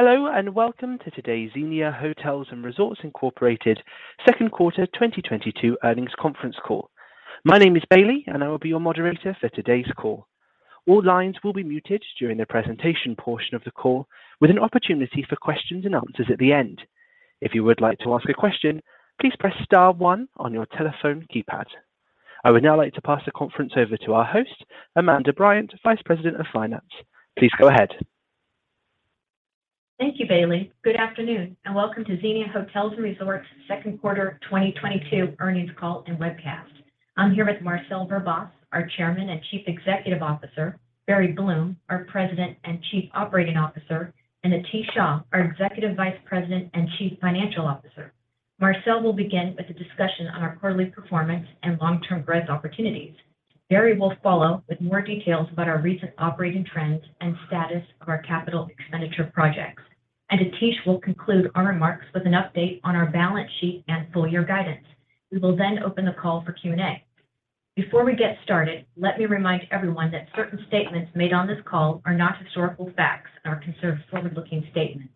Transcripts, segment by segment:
Hello and welcome to today's Xenia Hotels & Resorts, Inc. Second Quarter 2022 Earnings Conference Call. My name is Bailey, and I will be your moderator for today's call. All lines will be muted during the presentation portion of the call, with an opportunity for questions and answers at the end. If you would like to ask a question, please press star one on your telephone keypad. I would now like to pass the conference over to our host, Amanda Bryant, Vice President of Finance. Please go ahead. Thank you, Bailey. Good afternoon, and welcome to Xenia Hotels & Resorts second quarter 2022 earnings call and webcast. I'm here with Marcel Verbaas, our Chairman and Chief Executive Officer, Barry Bloom, our President and Chief Operating Officer, and Atish Shah, our Executive Vice President and Chief Financial Officer. Marcel will begin with a discussion on our quarterly performance and long-term growth opportunities. Barry will follow with more details about our recent operating trends and status of our capital expenditure projects. Atish will conclude our remarks with an update on our balance sheet and full year guidance. We will then open the call for Q&A. Before we get started, let me remind everyone that certain statements made on this call are not historical facts and are considered forward-looking statements.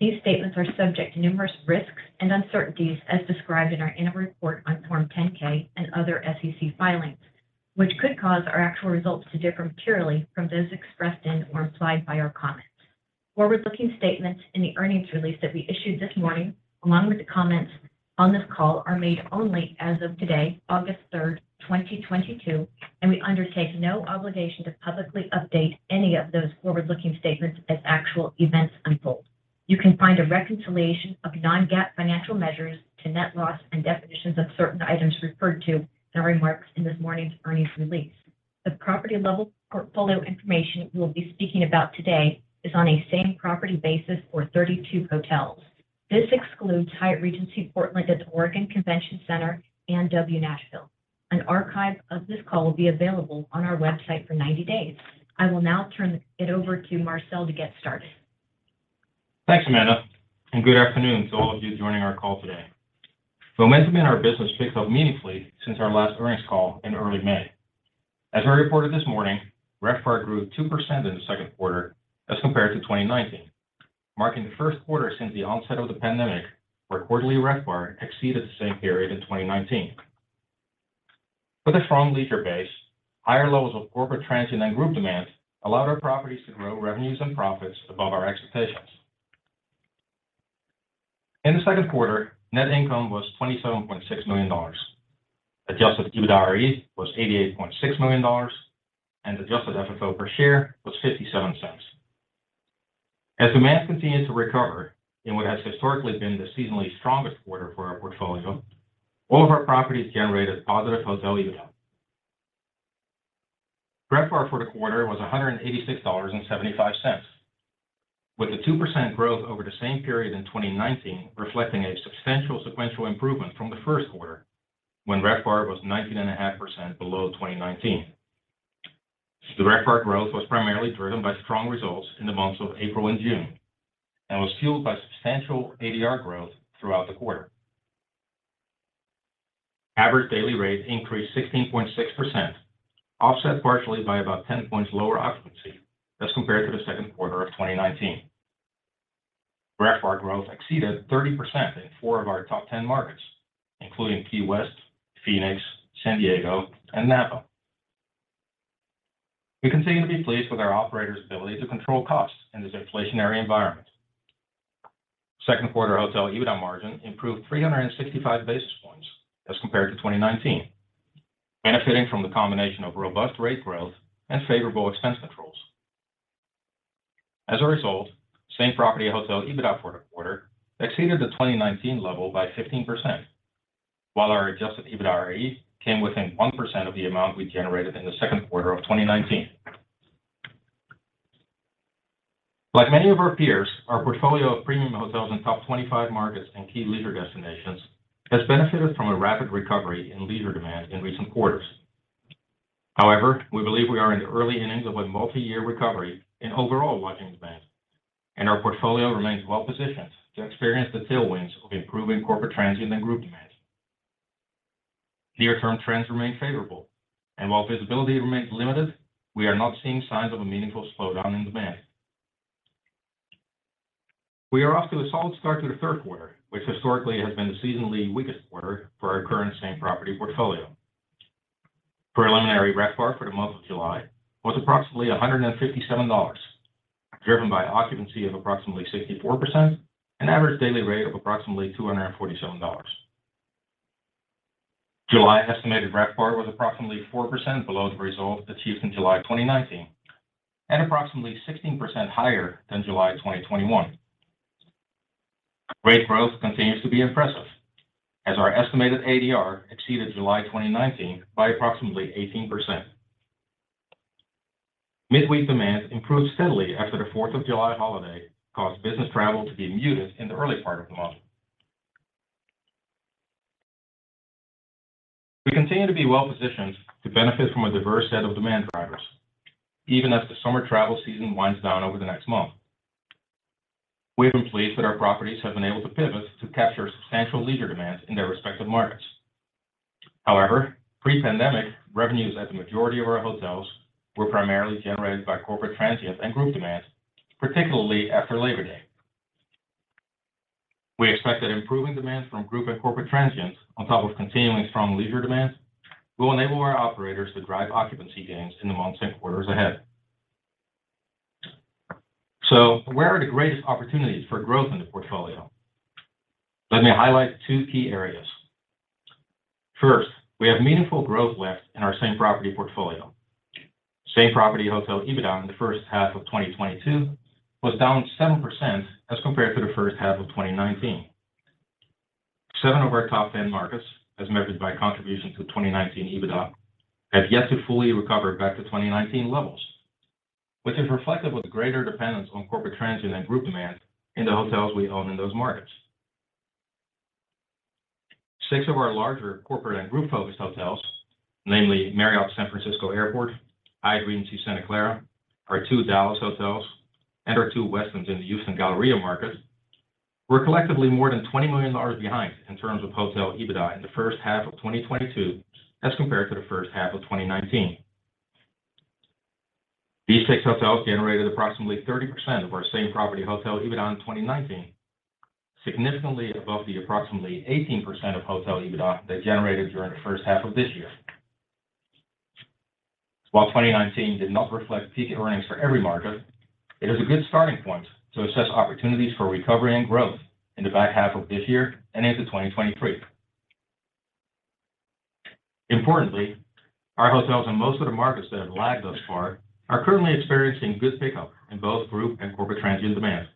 These statements are subject to numerous risks and uncertainties as described in our annual report on Form 10-K and other SEC filings, which could cause our actual results to differ materially from those expressed in or implied by our comments. Forward-looking statements in the earnings release that we issued this morning, along with the comments on this call, are made only as of today, August 3, 2022, and we undertake no obligation to publicly update any of those forward-looking statements as actual events unfold. You can find a reconciliation of non-GAAP financial measures to net loss and definitions of certain items referred to in our remarks in this morning's earnings release. The property level portfolio information we'll be speaking about today is on a same property basis for 32 hotels. This excludes Hyatt Regency Portland at the Oregon Convention Center and W Nashville. An archive of this call will be available on our website for 90 days. I will now turn it over to Marcel to get started. Thanks, Amanda, and good afternoon to all of you joining our call today. Momentum in our business picked up meaningfully since our last earnings call in early May. As we reported this morning, RevPAR grew 2% in the second quarter as compared to 2019, marking the first quarter since the onset of the pandemic where quarterly RevPAR exceeded the same period in 2019. With a strong leisure base, higher levels of corporate transient and group demand allowed our properties to grow revenues and profits above our expectations. In the second quarter, net income was $27.6 million. Adjusted EBITDAre was $88.6 million, and adjusted FFO per share was $0.57. As demand continues to recover in what has historically been the seasonally strongest quarter for our portfolio, all of our properties generated positive hotel EBITDA. RevPAR for the quarter was $186.75, with 2% growth over the same period in 2019 reflecting a substantial sequential improvement from the first quarter, when RevPAR was 19.5% below 2019. RevPAR growth was primarily driven by strong results in the months of April and June and was fueled by substantial ADR growth throughout the quarter. Average daily rate increased 16.6%, offset partially by about ten points lower occupancy as compared to the second quarter of 2019. RevPAR growth exceeded 30% in four of our top 10 markets, including Key West, Phoenix, San Diego, and Napa. We continue to be pleased with our operators' ability to control costs in this inflationary environment. Second quarter Hotel EBITDA margin improved 365 basis points as compared to 2019, benefiting from the combination of robust rate growth and favorable expense controls. As a result, same-property Hotel EBITDA for the quarter exceeded the 2019 level by 15%, while our Adjusted EBITDAre came within 1% of the amount we generated in the second quarter of 2019. Like many of our peers, our portfolio of premium hotels in top 25 markets and key leisure destinations has benefited from a rapid recovery in leisure demand in recent quarters. However, we believe we are in the early innings of a multi-year recovery in overall lodging demand, and our portfolio remains well positioned to experience the tailwinds of improving corporate transient and group demand. Near-term trends remain favorable, and while visibility remains limited, we are not seeing signs of a meaningful slowdown in demand. We are off to a solid start to the third quarter, which historically has been the seasonally weakest quarter for our current same property portfolio. Preliminary RevPAR for the month of July was approximately $157, driven by occupancy of approximately 64% and average daily rate of approximately $247. July estimated RevPAR was approximately 4% below the result achieved in July 2019 and approximately 16% higher than July 2021. Rate growth continues to be impressive as our estimated ADR exceeded July 2019 by approximately 18%. Midweek demand improved steadily after the Fourth of July holiday caused business travel to be muted in the early part of the month. We continue to be well positioned to benefit from a diverse set of demand drivers, even as the summer travel season winds down over the next month. We have been pleased that our properties have been able to pivot to capture substantial leisure demand in their respective markets. However, pre-pandemic revenues at the majority of our hotels were primarily generated by corporate transient and group demand, particularly after Labor Day. We expect that improving demand from group and corporate transients on top of continuing strong leisure demand will enable our operators to drive occupancy gains in the months and quarters ahead. Where are the greatest opportunities for growth in the portfolio? Let me highlight two key areas. First, we have meaningful growth left in our same-property portfolio. Same-property hotel EBITDA in the first half of 2022 was down 7% as compared to the first half of 2019. Seven of our top 10 markets, as measured by contribution to 2019 EBITDA, have yet to fully recover back to 2019 levels, which is reflective of the greater dependence on corporate transient and group demand in the hotels we own in those markets. Six of our larger corporate and group-focused hotels, namely San Francisco Airport Marriott Waterfront, Hyatt Regency Santa Clara, our two Dallas hotels, and our two Westins in the Houston Galleria markets, were collectively more than $20 million behind in terms of Hotel EBITDA in the first half of 2022 as compared to the first half of 2019. These six hotels generated approximately 30% of our same-property Hotel EBITDA in 2019, significantly above the approximately 18% of Hotel EBITDA they generated during the first half of this year. While 2019 did not reflect peak earnings for every market, it is a good starting point to assess opportunities for recovery and growth in the back half of this year and into 2023. Importantly, our hotels in most of the markets that have lagged thus far are currently experiencing good pickup in both group and corporate transient demand.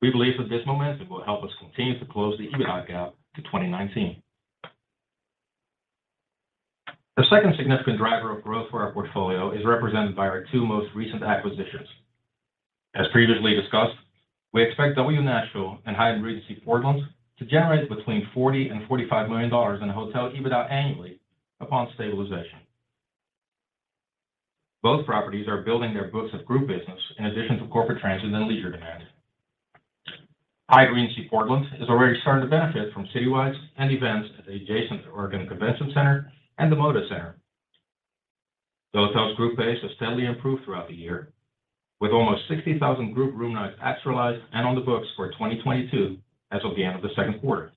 We believe that this momentum will help us continue to close the EBITDA gap to 2019. The second significant driver of growth for our portfolio is represented by our two most recent acquisitions. As previously discussed, we expect W Nashville and Hyatt Regency Portland to generate between $40 million and $45 million in hotel EBITDA annually upon stabilization. Both properties are building their books of group business in addition to corporate transient and leisure demand. Hyatt Regency Portland is already starting to benefit from citywides and events at the adjacent Oregon Convention Center and the Moda Center. The hotel's group pace has steadily improved throughout the year, with almost 60,000 group room nights actualized and on the books for 2022 as of the end of the second quarter.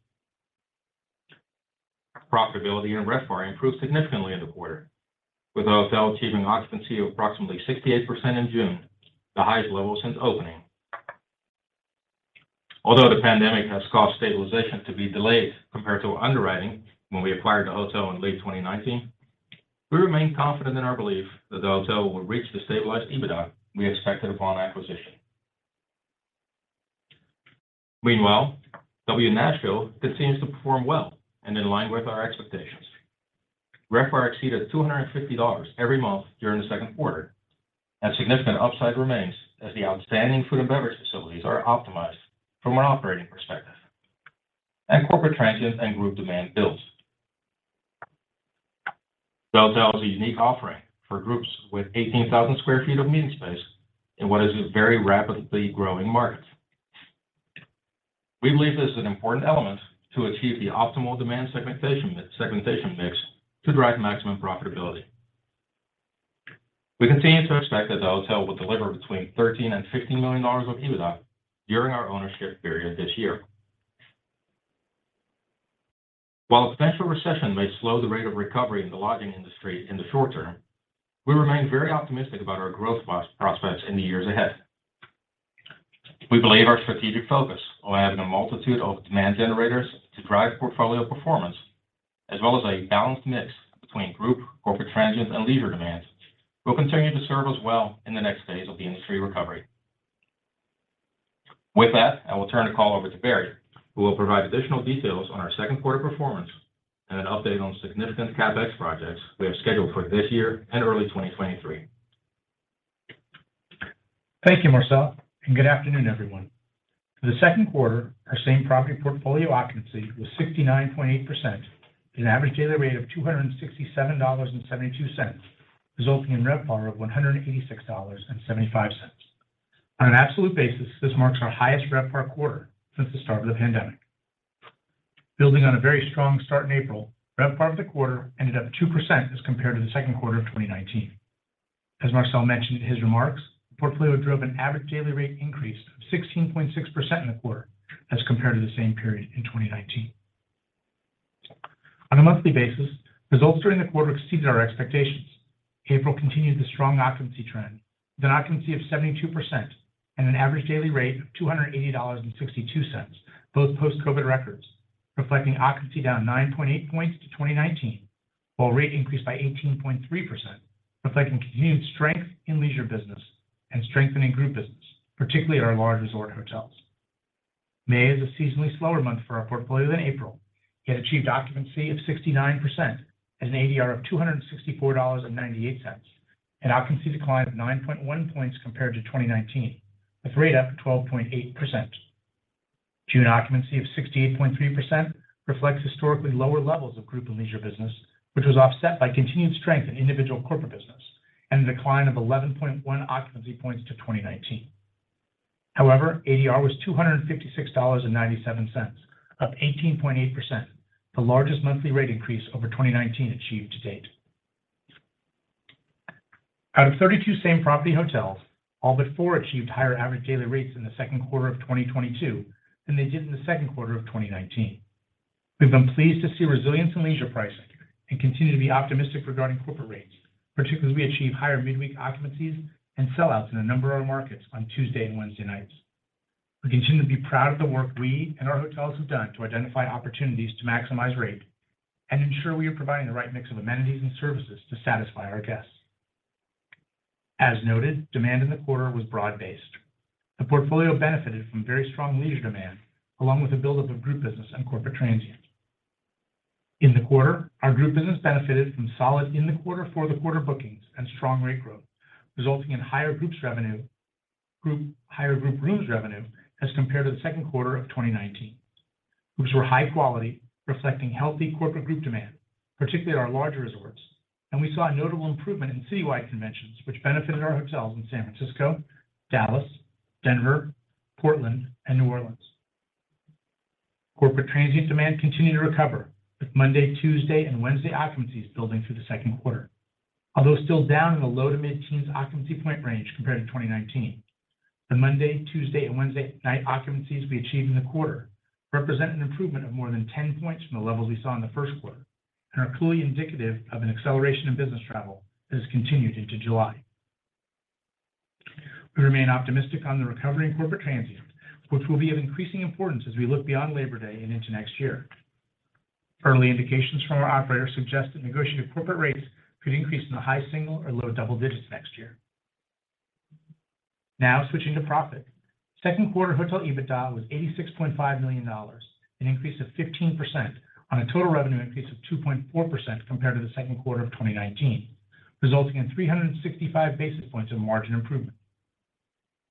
Profitability and RevPAR improved significantly in the quarter, with the hotel achieving occupancy of approximately 68% in June, the highest level since opening. Although the pandemic has caused stabilization to be delayed compared to underwriting when we acquired the hotel in late 2019, we remain confident in our belief that the hotel will reach the stabilized EBITDA we expected upon acquisition. Meanwhile, W Nashville continues to perform well and in line with our expectations. RevPAR exceeded $250 every month during the second quarter, and significant upside remains as the outstanding food and beverage facilities are optimized from an operating perspective, and corporate transient and group demand builds. The hotel has a unique offering for groups with 18,000 sq ft of meeting space in what is a very rapidly growing market. We believe this is an important element to achieve the optimal demand segmentation mix to drive maximum profitability. We continue to expect that the hotel will deliver between $13 million and $15 million of EBITDA during our ownership period this year. While a potential recession may slow the rate of recovery in the lodging industry in the short term, we remain very optimistic about our growth prospects in the years ahead. We believe our strategic focus on adding a multitude of demand generators to drive portfolio performance, as well as a balanced mix between group, corporate transient, and leisure demand, will continue to serve us well in the next phase of the industry recovery. With that, I will turn the call over to Barry, who will provide additional details on our second quarter performance and an update on significant CapEx projects we have scheduled for this year and early 2023. Thank you, Marcel, and good afternoon, everyone. For the second quarter, our same-property portfolio occupancy was 69.8% with an average daily rate of $267.72, resulting in RevPAR of $186.75. On an absolute basis, this marks our highest RevPAR quarter since the start of the pandemic. Building on a very strong start in April, RevPAR for the quarter ended up 2% as compared to the second quarter of 2019. As Marcel mentioned in his remarks, the portfolio drove an average daily rate increase of 16.6% in the quarter as compared to the same period in 2019. On a monthly basis, results during the quarter exceeded our expectations. April continued the strong occupancy trend with an occupancy of 72% and an average daily rate of $280.62, both post-COVID records, reflecting occupancy down 9.8 points to 2019, while rate increased by 18.3%, reflecting continued strength in leisure business and strength in group business, particularly at our large resort hotels. May is a seasonally slower month for our portfolio than April, yet achieved occupancy of 69% and an ADR of $264.98, an occupancy decline of 9.1 points compared to 2019, with rate up 12.8%. June occupancy of 68.3% reflects historically lower levels of group and leisure business, which was offset by continued strength in individual corporate business and a decline of 11.1 occupancy points to 2019. However, ADR was $256.97, up 18.8%, the largest monthly rate increase over 2019 achieved to date. Out of 32 same-property hotels, all but four achieved higher average daily rates in the second quarter of 2022 than they did in the second quarter of 2019. We've been pleased to see resilience in leisure pricing and continue to be optimistic regarding corporate rates, particularly as we achieve higher midweek occupancies and sell-outs in a number of our markets on Tuesday and Wednesday nights. We continue to be proud of the work we and our hotels have done to identify opportunities to maximize rate and ensure we are providing the right mix of amenities and services to satisfy our guests. As noted, demand in the quarter was broad-based. The portfolio benefited from very strong leisure demand, along with a buildup of group business and corporate transient. In the quarter, our group business benefited from solid in-the-quarter/for-the-quarter bookings and strong rate growth, resulting in higher group rooms revenue as compared to the second quarter of 2019. Groups were high quality, reflecting healthy corporate group demand, particularly at our larger resorts, and we saw a notable improvement in citywide conventions, which benefited our hotels in San Francisco, Dallas, Denver, Portland, and New Orleans. Corporate transient demand continued to recover, with Monday, Tuesday, and Wednesday occupancies building through the second quarter. Although still down in the low- to mid-teens occupancy point range compared to 2019, the Monday, Tuesday, and Wednesday night occupancies we achieved in the quarter represent an improvement of more than 10 points from the levels we saw in the first quarter and are clearly indicative of an acceleration in business travel that has continued into July. We remain optimistic on the recovery in corporate transient, which will be of increasing importance as we look beyond Labor Day and into next year. Early indications from our operators suggest that negotiated corporate rates could increase in the high single or low double digits next year. Now switching to profit. Second quarter Hotel EBITDA was $86.5 million, an increase of 15% on a total revenue increase of 2.4% compared to the second quarter of 2019, resulting in 365 basis points of margin improvement.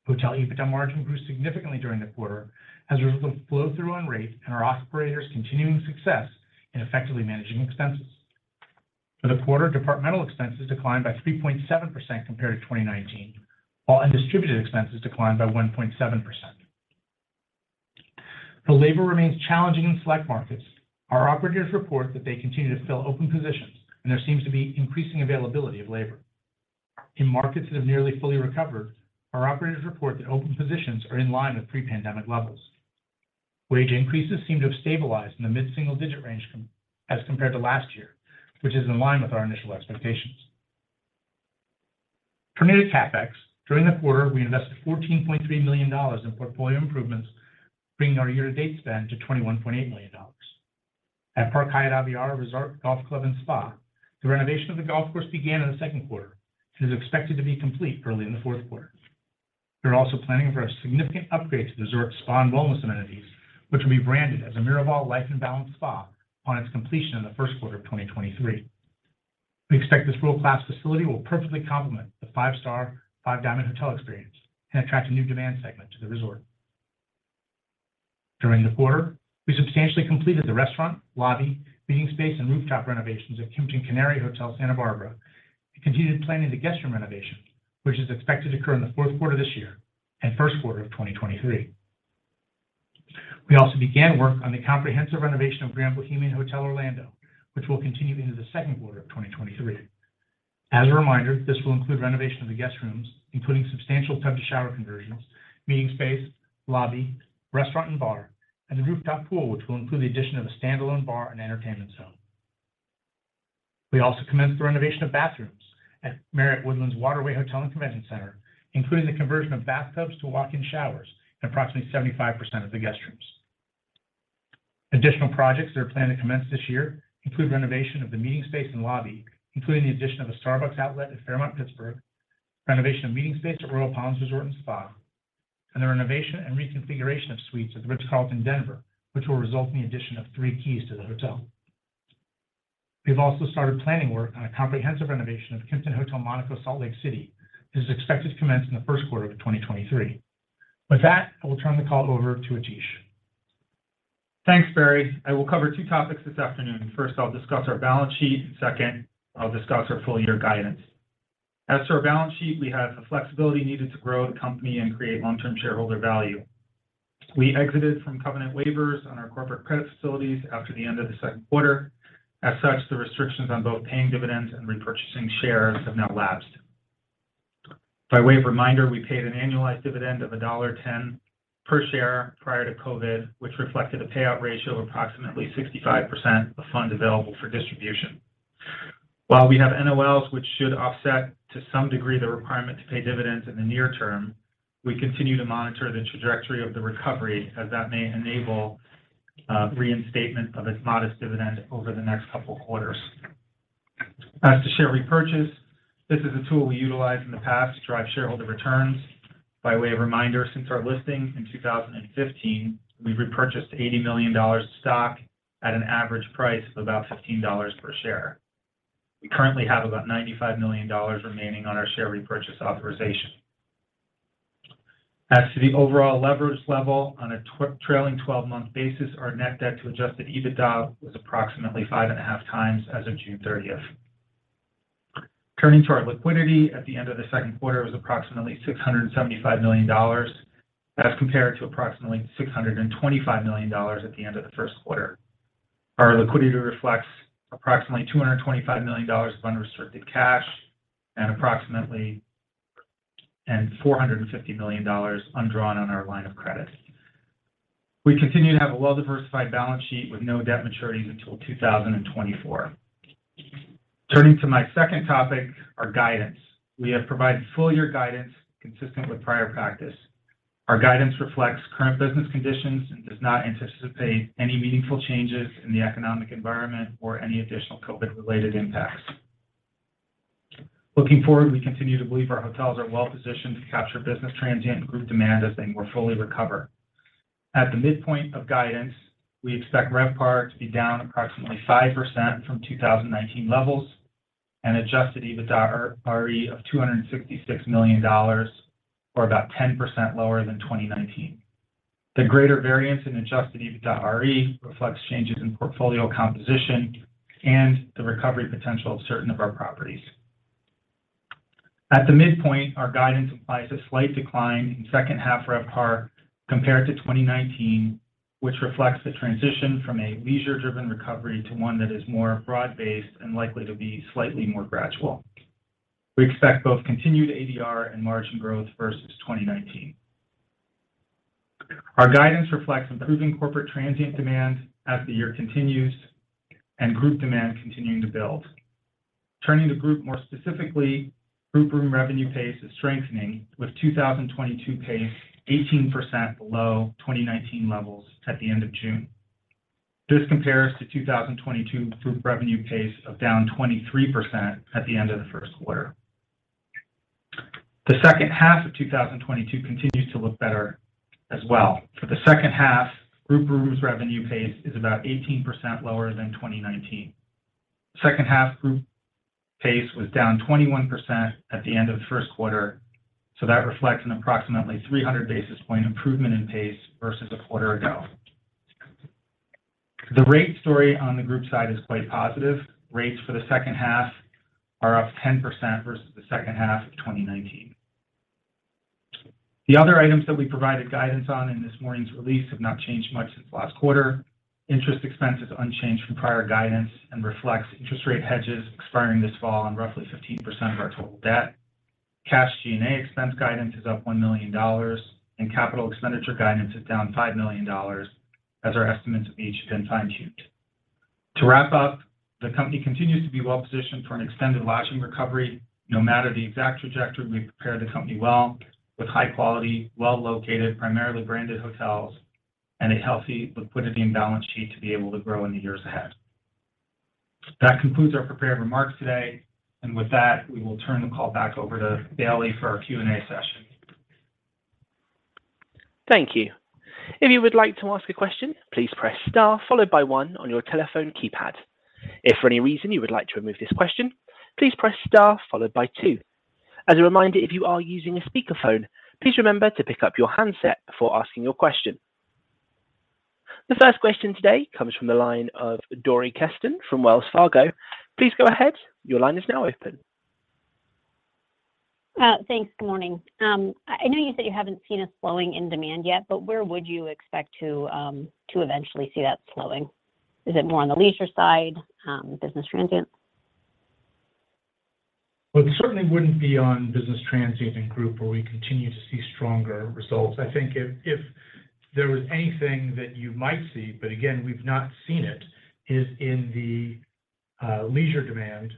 Hotel EBITDA margin grew significantly during the quarter as a result of flow-through on rate and our operators' continuing success in effectively managing expenses. For the quarter, departmental expenses declined by 3.7% compared to 2019, while undistributed expenses declined by 1.7%. Though labor remains challenging in select markets, our operators report that they continue to fill open positions, and there seems to be increasing availability of labor. In markets that have nearly fully recovered, our operators report that open positions are in line with pre-pandemic levels. Wage increases seem to have stabilized in the mid-single digit range, as compared to last year, which is in line with our initial expectations. Turning to CapEx, during the quarter, we invested $14.3 million in portfolio improvements, bringing our year-to-date spend to $21.8 million. At Park Hyatt Aviara Resort, Golf Club & Spa, the renovation of the golf course began in the second quarter and is expected to be complete early in the fourth quarter. We are also planning for a significant upgrade to the resort's spa and wellness amenities, which will be branded as a Miraval Life in Balance spa on its completion in the first quarter of 2023. We expect this world-class facility will perfectly complement the five-star, five-diamond hotel experience and attract a new demand segment to the resort. During the quarter, we substantially completed the restaurant, lobby, meeting space, and rooftop renovations at Kimpton Canary Hotel, Santa Barbara and continued planning the guest room renovation, which is expected to occur in the fourth quarter of this year and first quarter of 2023. We also began work on the comprehensive renovation of Grand Bohemian Hotel Orlando, which will continue into the second quarter of 2023. As a reminder, this will include renovation of the guest rooms, including substantial tub-to-shower conversions, meeting space, lobby, restaurant and bar, and the rooftop pool, which will include the addition of a standalone bar and entertainment zone. We also commenced the renovation of bathrooms at The Woodlands Waterway Marriott Hotel & Convention Center, including the conversion of bathtubs to walk-in showers in approximately 75% of the guest rooms. Additional projects that are planned to commence this year include renovation of the meeting space and lobby, including the addition of a Starbucks outlet at Fairmont Pittsburgh, renovation of meeting space at Royal Palms Resort and Spa, and the renovation and reconfiguration of suites at The Ritz-Carlton, Denver, which will result in the addition of three keys to the hotel. We've also started planning work on a comprehensive renovation of Kimpton Hotel Monaco Salt Lake City. This is expected to commence in the first quarter of 2023. With that, I will turn the call over to Atish. Thanks, Barry. I will cover two topics this afternoon. First, I'll discuss our balance sheet, and second, I'll discuss our full year guidance. As to our balance sheet, we have the flexibility needed to grow the company and create long-term shareholder value. We exited from covenant waivers on our corporate credit facilities after the end of the second quarter. As such, the restrictions on both paying dividends and repurchasing shares have now lapsed. By way of reminder, we paid an annualized dividend of $1.10 per share prior to COVID, which reflected a payout ratio of approximately 65% of funds available for distribution. While we have NOLs which should offset to some degree the requirement to pay dividends in the near term, we continue to monitor the trajectory of the recovery, as that may enable reinstatement of this modest dividend over the next couple quarters. As to share repurchase, this is a tool we utilized in the past to drive shareholder returns. By way of reminder, since our listing in 2015, we've repurchased $80 million of stock at an average price of about $15 per share. We currently have about $95 million remaining on our share repurchase authorization. As to the overall leverage level, on a trailing twelve-month basis, our net debt to Adjusted EBITDA was approximately 5.5 times as of June 30. Turning to our liquidity at the end of the second quarter, it was approximately $675 million as compared to approximately $625 million at the end of the first quarter. Our liquidity reflects approximately $225 million of unrestricted cash and approximately $450 million undrawn on our line of credit. We continue to have a well-diversified balance sheet with no debt maturities until 2024. Turning to my second topic, our guidance. We have provided full year guidance consistent with prior practice. Our guidance reflects current business conditions and does not anticipate any meaningful changes in the economic environment or any additional COVID related impacts. Looking forward, we continue to believe our hotels are well positioned to capture business transient and group demand as they more fully recover. At the midpoint of guidance, we expect RevPAR to be down approximately 5% from 2019 levels and Adjusted EBITDAre of $266 million, or about 10% lower than 2019. The greater variance in Adjusted EBITDAre reflects changes in portfolio composition and the recovery potential of certain of our properties. At the midpoint, our guidance implies a slight decline in second half RevPAR compared to 2019, which reflects the transition from a leisure driven recovery to one that is more broad-based and likely to be slightly more gradual. We expect both continued ADR and margin growth versus 2019. Our guidance reflects improving corporate transient demand as the year continues and group demand continuing to build. Turning to group more specifically, group room revenue pace is strengthening with 2022 pace 18% below 2019 levels at the end of June. This compares to 2022 group revenue pace of down 23% at the end of the first quarter. The second half of 2022 continues to look better as well. For the second half, group rooms revenue pace is about 18% lower than 2019. Second half group pace was down 21% at the end of the first quarter, so that reflects an approximately 300 basis points improvement in pace versus a quarter ago. The rate story on the group side is quite positive. Rates for the second half are up 10% versus the second half of 2019. The other items that we provided guidance on in this morning's release have not changed much since last quarter. Interest expense is unchanged from prior guidance and reflects interest rate hedges expiring this fall on roughly 15% of our total debt. Cash G&A expense guidance is up $1 million, and capital expenditure guidance is down $5 million as our estimates of each have been fine-tuned. To wrap up, the company continues to be well positioned for an extended lodging recovery. No matter the exact trajectory, we've prepared the company well with high quality, well located, primarily branded hotels, and a healthy liquidity and balance sheet to be able to grow in the years ahead. That concludes our prepared remarks today, and with that, we will turn the call back over to Bailey for our Q&A session. Thank you. If you would like to ask a question, please press Star followed by one on your telephone keypad. If for any reason you would like to remove this question, please press Star followed by two. As a reminder, if you are using a speakerphone, please remember to pick up your handset before asking your question. The first question today comes from the line of Dori Kesten from Wells Fargo. Please go ahead. Your line is now open. Thanks. Good morning. I know you said you haven't seen a slowing in demand yet, but where would you expect to eventually see that slowing? Is it more on the leisure side, business transient? Well, it certainly wouldn't be on business transient and group where we continue to see stronger results. I think if there was anything that you might see, but again, we've not seen it, is in the leisure demand.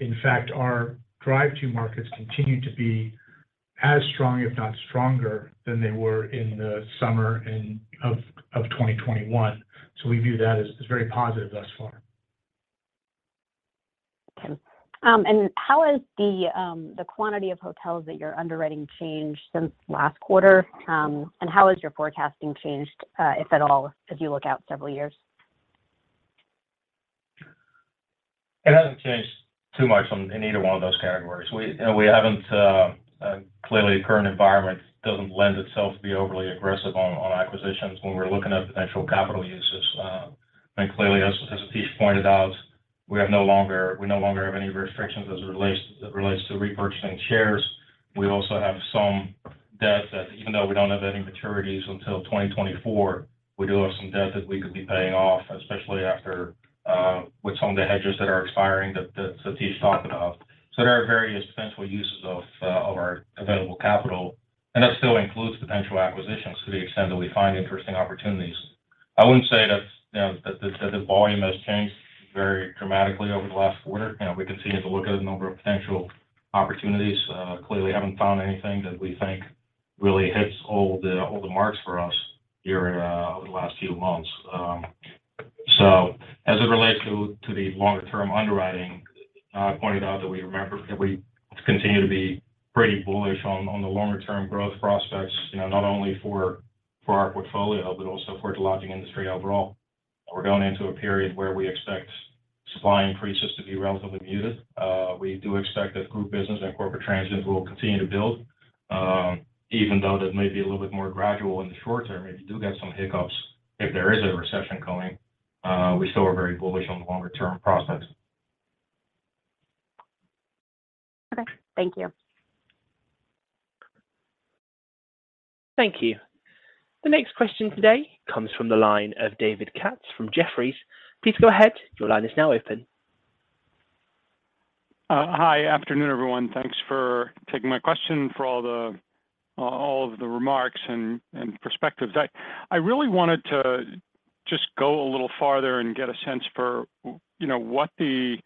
In fact, our drive to markets continue to be as strong, if not stronger than they were in the summer of 2021. We view that as very positive thus far. Okay. How has the quantity of hotels that you're underwriting changed since last quarter? How has your forecasting changed, if at all, as you look out several years? It hasn't changed too much in either one of those categories. We, you know, haven't. Clearly, the current environment doesn't lend itself to be overly aggressive on acquisitions when we're looking at potential capital uses. Clearly, as Atish pointed out, we no longer have any restrictions as it relates to repurchasing shares. We also have some debt that even though we don't have any maturities until 2024, we do have some debt that we could be paying off, especially after with some of the hedges that are expiring that Atish talked about. There are various potential uses of our available capital, and that still includes potential acquisitions to the extent that we find interesting opportunities. I wouldn't say that the volume has changed very dramatically over the last quarter. We continue to look at a number of potential opportunities. Clearly, we haven't found anything that we think really hits all the marks for us over the last few months. As it relates to the longer term underwriting, I pointed out that we continue to be pretty bullish on the longer term growth prospects, not only for our portfolio, but also for the lodging industry overall. We're going into a period where we expect supply increases to be relatively muted. We do expect that group business and corporate transient will continue to build. Even though that may be a little bit more gradual in the short term, if you do get some hiccups, if there is a recession coming, we still are very bullish on the longer-term process. Okay. Thank you. Thank you. The next question today comes from the line of David Katz from Jefferies. Please go ahead. Your line is now open. Hi. Afternoon, everyone. Thanks for taking my question, for all of the remarks and perspectives. I really wanted to just go a little farther and get a sense for, you know, what the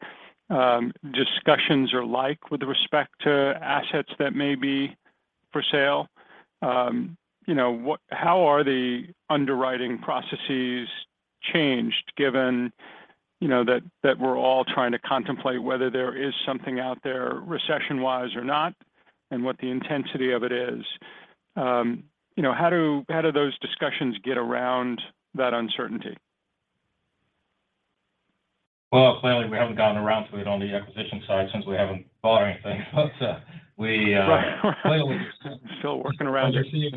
discussions are like with respect to assets that may be for sale. You know, how are the underwriting processes changed, given, you know, that we're all trying to contemplate whether there is something out there recession-wise or not and what the intensity of it is? You know, how do those discussions get around that uncertainty? Well, clearly we haven't gotten around to it on the acquisition side since we haven't bought anything. Right. Clearly- Still working around it. What you're seeing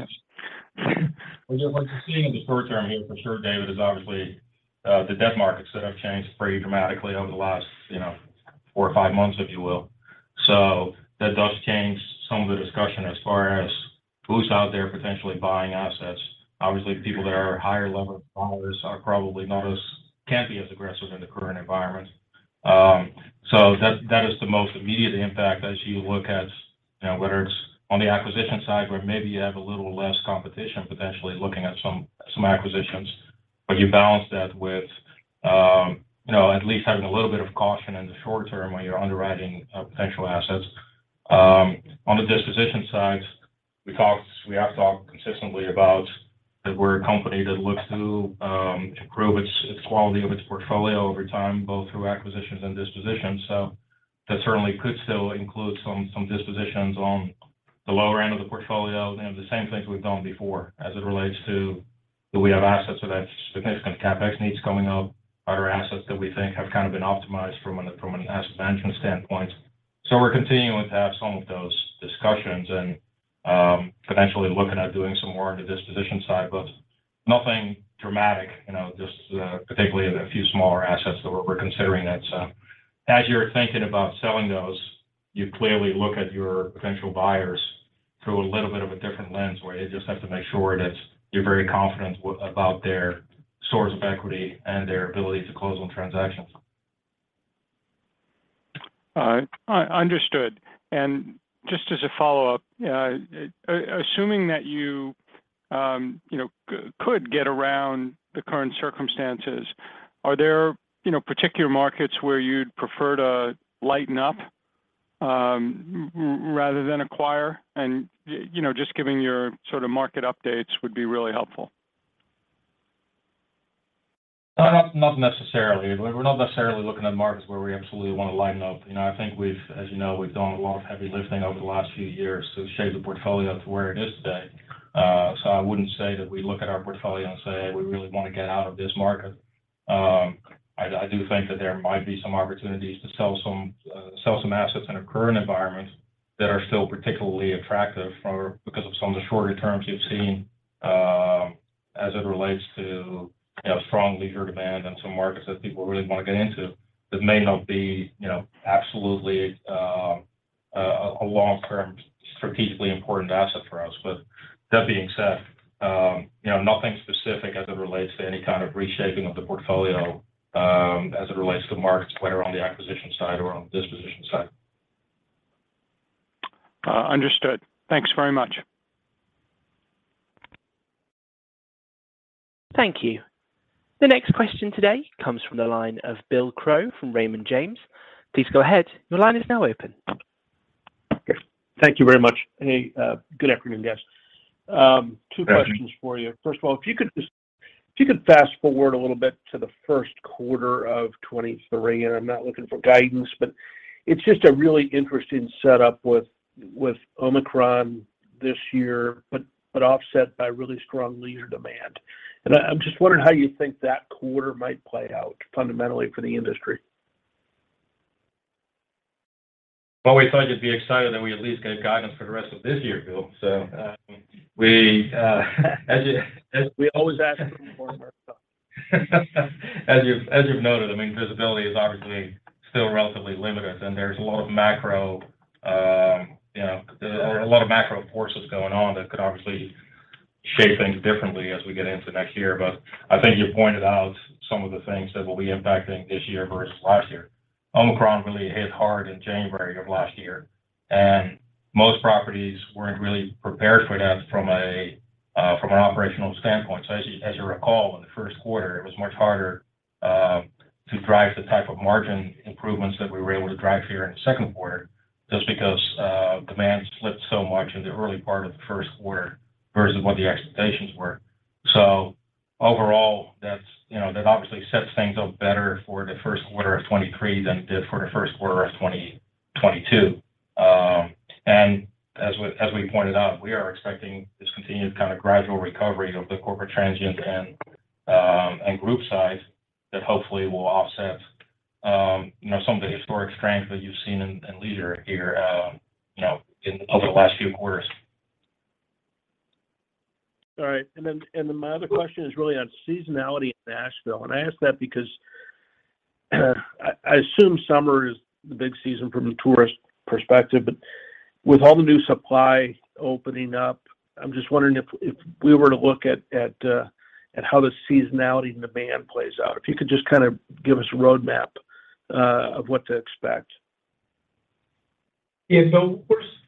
is what you're seeing in the short term here for sure, David, is obviously the debt markets that have changed pretty dramatically over the last, you know, four or five months, if you will. That does change some of the discussion as far as who's out there potentially buying assets. Obviously, people that are higher leverage borrowers are probably can't be as aggressive in the current environment. That is the most immediate impact as you look at, you know, whether it's on the acquisition side where maybe you have a little less competition potentially looking at some acquisitions. You balance that with, you know, at least having a little bit of caution in the short term when you're underwriting potential assets. On the disposition side, we have talked consistently about that we're a company that looks to improve its quality of its portfolio over time, both through acquisitions and dispositions. That certainly could still include some dispositions on the lower end of the portfolio, you know, the same things we've done before as it relates to, do we have assets that have significant CapEx needs coming up or assets that we think have kind of been optimized from an asset management standpoint. We're continuing to have some of those discussions and potentially looking at doing some more on the disposition side, but nothing dramatic. You know, just particularly in a few smaller assets that we're considering that. As you're thinking about selling those, you clearly look at your potential buyers through a little bit of a different lens, where you just have to make sure that you're very confident about their source of equity and their ability to close on transactions. Understood. Just as a follow-up, assuming that you know, could get around the current circumstances, are there, you know, particular markets where you'd prefer to lighten up, rather than acquire? You know, just giving your sort of market updates would be really helpful. Not necessarily. We're not necessarily looking at markets where we absolutely want to lighten up. You know, I think as you know, we've done a lot of heavy lifting over the last few years to shape the portfolio to where it is today. I wouldn't say that we look at our portfolio and say, "We really want to get out of this market." I do think that there might be some opportunities to sell some assets in our current environment that are still particularly attractive because of some of the shorter terms you've seen, as it relates to, you know, strong leisure demand and some markets that people really want to get into that may not be, you know, absolutely, a long-term strategically important asset for us. That being said, you know, nothing specific as it relates to any kind of reshaping of the portfolio, as it relates to markets, whether on the acquisition side or on the disposition side. Understood. Thanks very much. Thank you. The next question today comes from the line of Bill Crow from Raymond James. Please go ahead. Your line is now open. Yes. Thank you very much. Hey, good afternoon, guys. Two questions for you. Afternoon. First of all, if you could just fast-forward a little bit to the first quarter of 2023, and I'm not looking for guidance, but it's just a really interesting setup with Omicron this year, but offset by really strong leisure demand. I'm just wondering how you think that quarter might play out fundamentally for the industry. Well, we thought you'd be excited that we at least gave guidance for the rest of this year, Bill. We always ask for more, Marcel. As you've noted, I mean, visibility is obviously still relatively limited, and there's a lot of macro, you know. Yeah... there are a lot of macro forces going on that could obviously shape things differently as we get into next year. I think you pointed out some of the things that will be impacting this year versus last year. Omicron really hit hard in January of last year, and most properties weren't really prepared for that from an operational standpoint. As you recall, in the first quarter, it was much harder to drive the type of margin improvements that we were able to drive here in the second quarter, just because demand slipped so much in the early part of the first quarter versus what the expectations were. Overall, that's, you know, that obviously sets things up better for the first quarter of 2023 than it did for the first quarter of 2022. As we pointed out, we are expecting this continued kind of gradual recovery of the corporate transient and group size that hopefully will offset you know, some of the historic strengths that you've seen in leisure here, you know, in over the last few quarters. All right. Then my other question is really on seasonality in Nashville. I ask that because I assume summer is the big season from a tourist perspective, but with all the new supply opening up, I'm just wondering if we were to look at how the seasonality and demand plays out, if you could just kinda give us a roadmap of what to expect. Yeah.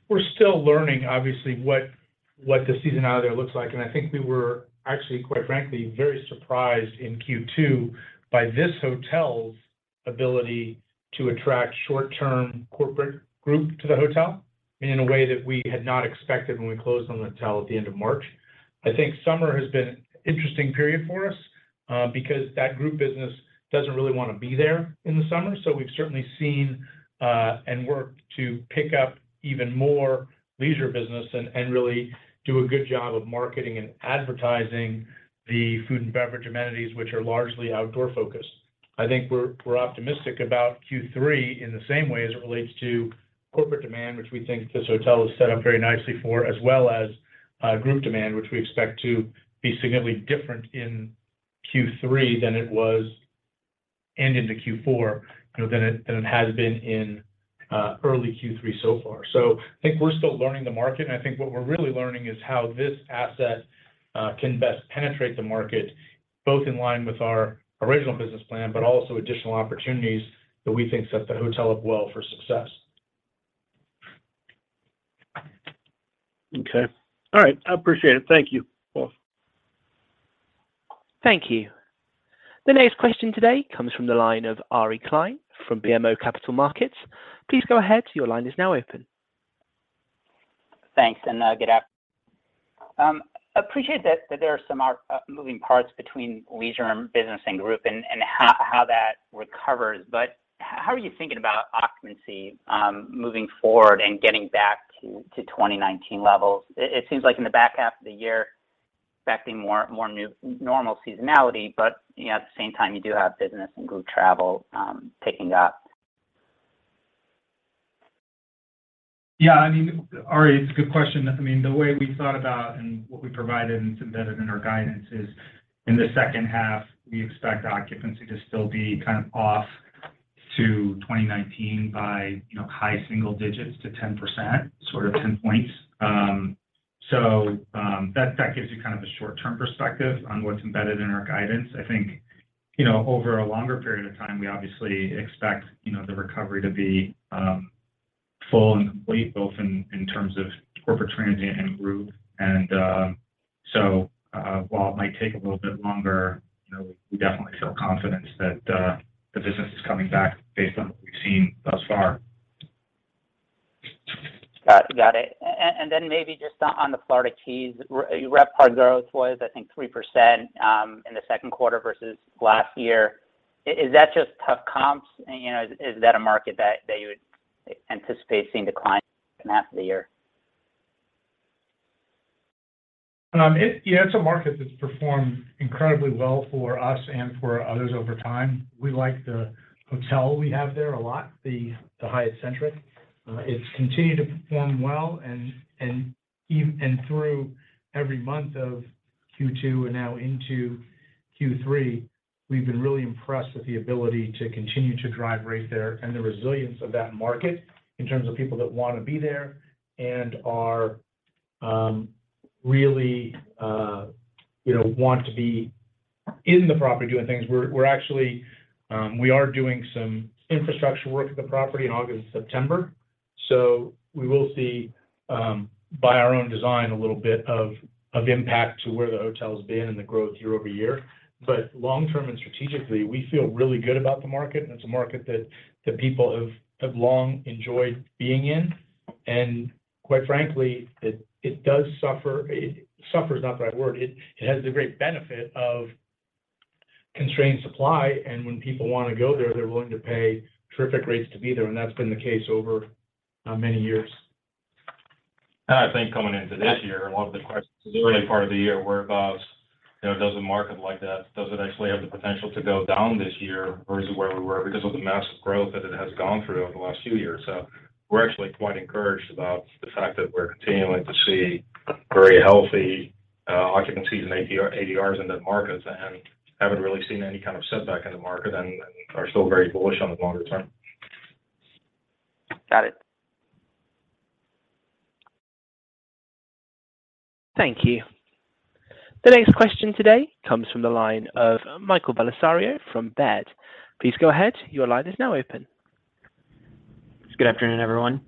We're still learning obviously, what the seasonality there looks like. I think we were actually, quite frankly, very surprised in Q2 by this hotel's ability to attract short-term corporate group to the hotel and in a way that we had not expected when we closed on the hotel at the end of March. I think summer has been interesting period for us, because that group business doesn't really wanna be there in the summer. We've certainly seen and worked to pick up even more leisure business and really do a good job of marketing and advertising the food and beverage amenities, which are largely outdoor focused. I think we're optimistic about Q3 in the same way as it relates to corporate demand, which we think this hotel is set up very nicely for, as well as group demand, which we expect to be significantly different in Q3 and into Q4, you know, than it has been in early Q3 so far. I think we're still learning the market, and I think what we're really learning is how this asset can best penetrate the market, both in line with our original business plan, but also additional opportunities that we think set the hotel up well for success. Okay. All right. I appreciate it. Thank you both. Thank you. The next question today comes from the line of Ari Klein from BMO Capital Markets. Please go ahead. Your line is now open. Thanks, appreciate that there are some moving parts between leisure and business and group and how that recovers, but how are you thinking about occupancy moving forward and getting back to 2019 levels? It seems like in the back half of the year expecting more new normal seasonality, but you know, at the same time you do have business and group travel picking up. Yeah. I mean, Ari, it's a good question. I mean, the way we thought about and what we provided and submitted in our guidance is in the second half, we expect occupancy to still be kind of off to 2019 by, you know, high single digits to 10%, sort of 10 points. So, that gives you kind of a short term perspective on what's embedded in our guidance. I think, you know, over a longer period of time, we obviously expect, you know, the recovery to be full and complete both in terms of corporate transient and group. While it might take a little bit longer, you know, we definitely feel confident that the business is coming back based on what we've seen thus far. Got it. Then maybe just on the Florida Keys, RevPAR growth was I think 3% in the second quarter versus last year. Is that just tough comps? You know, is that a market that you would anticipate seeing decline in half the year? Yeah, it's a market that's performed incredibly well for us and for others over time. We like the hotel we have there a lot, the Hyatt Centric. It's continued to perform well and through every month of Q2 and now into Q3, we've been really impressed with the ability to continue to drive rate there and the resilience of that market in terms of people that wanna be there and are really, you know, want to be in the property doing things. We're actually doing some infrastructure work at the property in August and September. We will see, by our own design a little bit of impact to where the hotel's been and the growth year-over-year. Long-term and strategically, we feel really good about the market, and it's a market that the people have long enjoyed being in. Quite frankly, it has the great benefit of constrained supply, and when people wanna go there, they're willing to pay terrific rates to be there, and that's been the case over many years. I think coming into this year, a lot of the questions in part of the year were about, you know, does a market like that, does it actually have the potential to go down this year or is it where we were because of the massive growth that it has gone through over the last few years? We're actually quite encouraged about the fact that we're continuing to see very healthy occupancies and ADR, ADRs in that market and haven't really seen any kind of setback in the market and are still very bullish on the longer term. Got it. Thank you. The next question today comes from the line of Michael Bellisario from Baird. Please go ahead. Your line is now open. Good afternoon, everyone.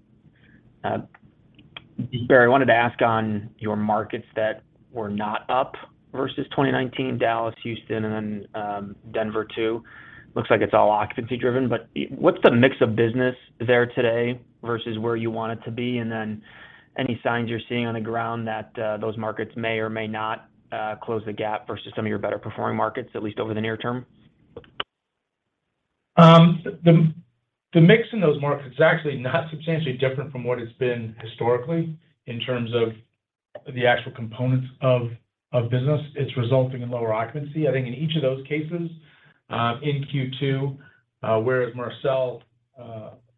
Barry, I wanted to ask on your markets that were not up versus 2019, Dallas, Houston, and then Denver too. Looks like it's all occupancy driven, but what's the mix of business there today versus where you want it to be? Any signs you're seeing on the ground that those markets may or may not close the gap versus some of your better performing markets, at least over the near term? The mix in those markets is actually not substantially different from what it's been historically in terms of the actual components of business. It's resulting in lower occupancy, I think in each of those cases, in Q2, whereas Marcel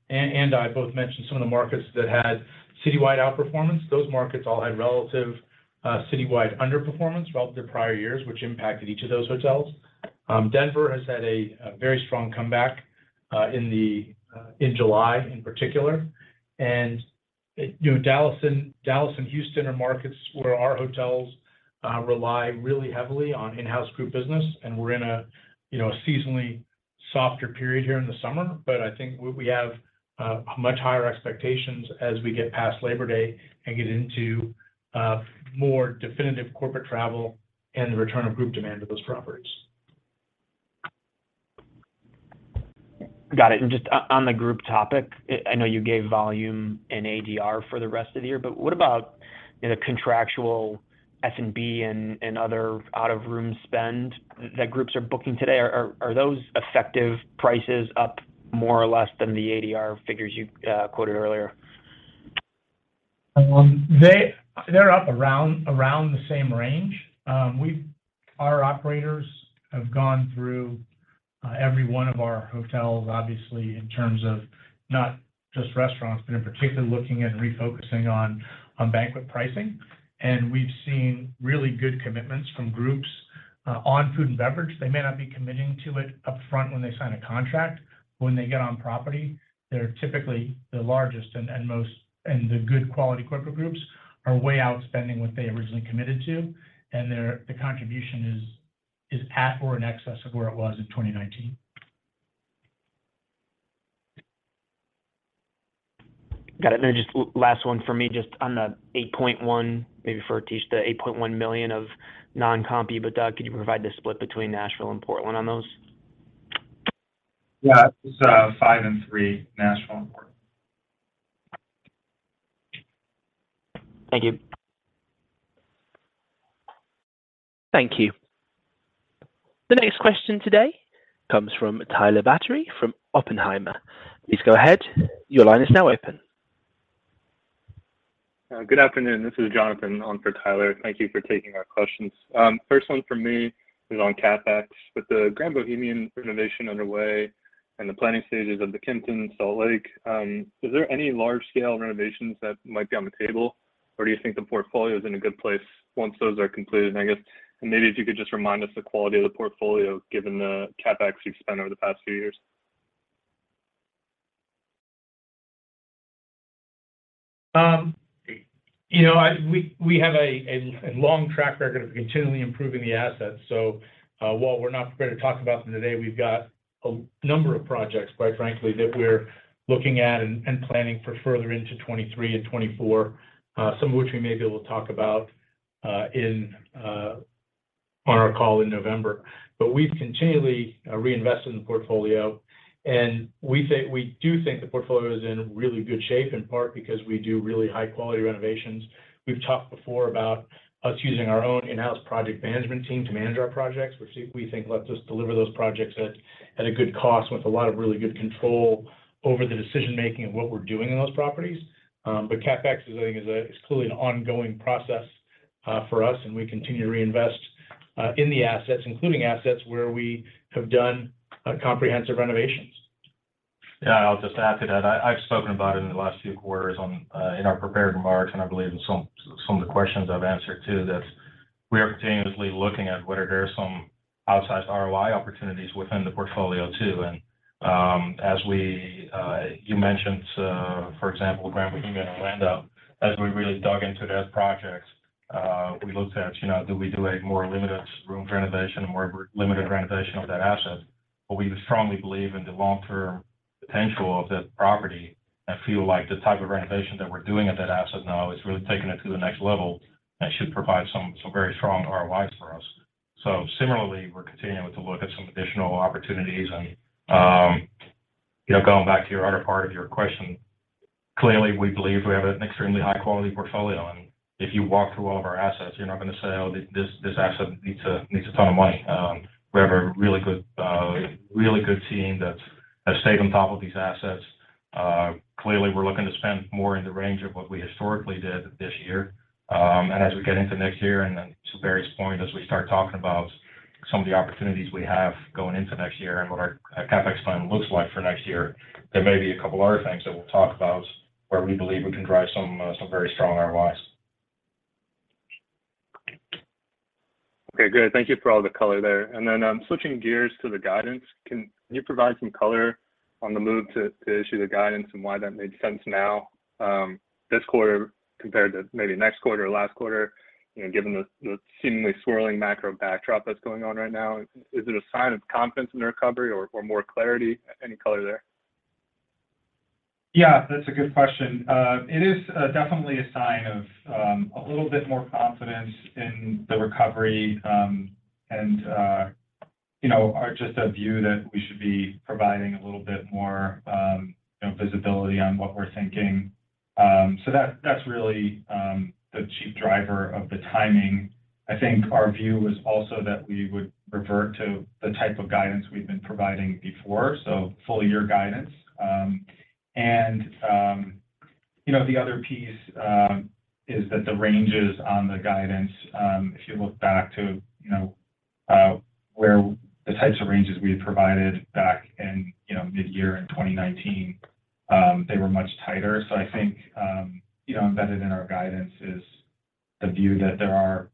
and I both mentioned some of the markets that had citywide outperformance. Those markets all had relative citywide underperformance relative to prior years, which impacted each of those hotels. Denver has had a very strong comeback in July in particular. You know, Dallas and Houston are markets where our hotels rely really heavily on in-house group business, and we're in a you know, a seasonally softer period here in the summer. I think we have much higher expectations as we get past Labor Day and get into more definitive corporate travel and the return of group demand to those properties. Got it. Just on the group topic, I know you gave volume and ADR for the rest of the year, but what about in a contractual F&B and other out-of-room spend that groups are booking today? Are those effective prices up more or less than the ADR figures you quoted earlier? They're up around the same range. Our operators have gone through every one of our hotels, obviously, in terms of not just restaurants, but in particular looking at refocusing on banquet pricing. We've seen really good commitments from groups on food and beverage. They may not be committing to it upfront when they sign a contract. When they get on property, they're typically the largest and most. The good quality corporate groups are way outspending what they originally committed to, and their contribution is at or in excess of where it was in 2019. Got it. Just last one for me, just on the $8.1, maybe for Atish, the $8.1 million of non-comp EBITDA. Could you provide the split between Nashville and Portland on those? Yeah. It was 5 and 3, Nashville and Portland. Thank you. Thank you. The next question today comes from Tyler Batory from Oppenheimer. Please go ahead. Your line is now open. Good afternoon. This is Jonathan on for Tyler. Thank you for taking our questions. First one from me is on CapEx. With the Grand Bohemian renovation underway and the planning stages of the Kimpton Salt Lake, is there any large scale renovations that might be on the table, or do you think the portfolio is in a good place once those are completed? I guess maybe if you could just remind us the quality of the portfolio given the CapEx you've spent over the past few years. You know, we have a long track record of continually improving the assets. While we're not prepared to talk about them today, we've got a number of projects, quite frankly, that we're looking at and planning for further into 2023 and 2024, some of which we may be able to talk about on our call in November. We've continually reinvested in the portfolio. We think the portfolio is in really good shape, in part because we do really high quality renovations. We've talked before about us using our own in-house project management team to manage our projects, which we think lets us deliver those projects at a good cost with a lot of really good control over the decision-making of what we're doing in those properties. CapEx is, I think, it's clearly an ongoing process for us, and we continue to reinvest in the assets, including assets where we have done comprehensive renovations. Yeah, I'll just add to that. I've spoken about it in the last few quarters or in our prepared remarks, and I believe in some of the questions I've answered too, that we are continuously looking at whether there are some outsized ROI opportunities within the portfolio too. As you mentioned, for example, Grand Bohemian in Orlando. As we really dug into those projects, we looked at, you know, do we do a more limited rooms renovation, a more full renovation of that asset? We strongly believe in the long-term potential of that property and feel like the type of renovation that we're doing at that asset now is really taking it to the next level and should provide some very strong ROIs for us. Similarly, we're continuing to look at some additional opportunities and, going back to your other part of your question, clearly, we believe we have an extremely high-quality portfolio. If you walk through all of our assets, you're not gonna say, "Oh, this asset needs a ton of money." We have a really good team that's stayed on top of these assets. Clearly, we're looking to spend more in the range of what we historically did this year. As we get into next year and then to Barry's point, as we start talking about some of the opportunities we have going into next year and what our CapEx plan looks like for next year, there may be a couple other things that we'll talk about where we believe we can drive some very strong ROIs. Okay, good. Thank you for all the color there. Then, switching gears to the guidance. Can you provide some color on the move to issue the guidance and why that made sense now, this quarter compared to maybe next quarter or last quarter, you know, given the seemingly swirling macro backdrop that's going on right now? Is it a sign of confidence in the recovery or more clarity? Any color there? Yeah, that's a good question. It is definitely a sign of a little bit more confidence in the recovery, and you know, just a view that we should be providing a little bit more visibility on what we're thinking. So that's really the chief driver of the timing. I think our view was also that we would revert to the type of guidance we've been providing before, so full-year guidance. You know, the other piece is that the ranges on the guidance, if you look back to where the types of ranges we had provided back in mid-year in 2019, they were much tighter. I think, you know, embedded in our guidance is the view that there are,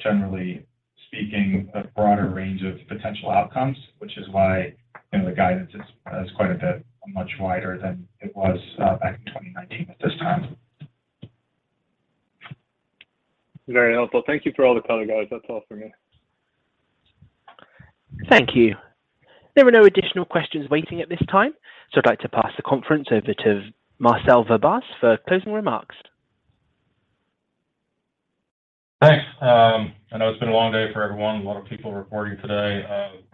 generally speaking, a broader range of potential outcomes, which is why, you know, the guidance is quite a bit much wider than it was back in 2019 at this time. Very helpful. Thank you for all the color, guys. That's all for me. Thank you. There are no additional questions waiting at this time, so I'd like to pass the conference over to Marcel Verbaas for closing remarks. Thanks. I know it's been a long day for everyone, a lot of people reporting today.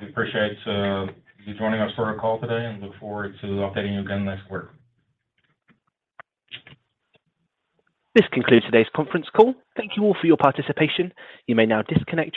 We appreciate you joining us for our call today and look forward to updating you again next quarter. This concludes today's conference call. Thank you all for your participation. You may now disconnect.